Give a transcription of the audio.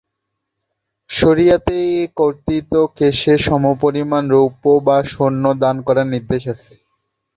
শরী’আতে এ কর্তিত কেশের সমপরিমাণ রৌপ্য বা স্বর্ণ দান করার নির্দেশ আছে।